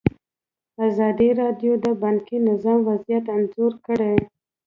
ازادي راډیو د بانکي نظام وضعیت انځور کړی.